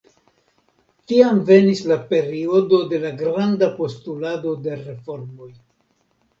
Tiam venis la periodo de la granda postulado de reformoj.